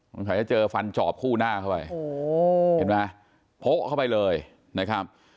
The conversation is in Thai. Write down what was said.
หรืออยากจะเจอฟันจอบคู่หน้าก็ไปเห็นไหมเพิกเขาไปเลยนะครับ